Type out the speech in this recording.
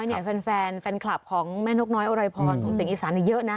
อย่างน้อยเนี่ยแฟนแฟนคลับของแม่นกน้อยโอรายพรสิ่งอีสานเยอะนะ